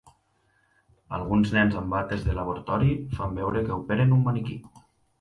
Alguns nens amb bates de laboratori fan veure que operen un maniquí.